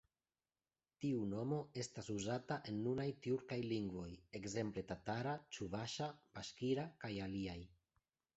Tiu nomo estas uzata en nunaj tjurkaj lingvoj, ekzemple tatara, ĉuvaŝa, baŝkira kaj aliaj.